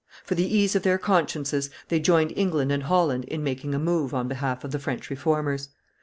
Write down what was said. For the ease of their consciences they joined England and Holland in making a move on behalf of the French Reformers.